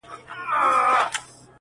د حج پچه کي هم نوم د خان را ووت ,